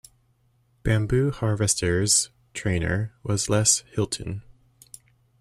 Bamboo Harvester's trainer was Les Hilton.